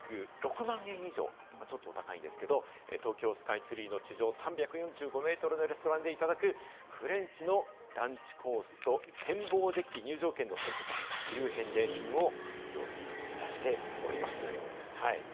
さらに、昨年度１５億８０００万円の流出があった墨田区ですが、寄付額６万円以上、ちょっと高いんですけれど、東京スカイツリーの地上３４５ｍのレストランでいただくフレンチのランチコースと展望デッキ・入場券のセットという返礼品を用意いたしております。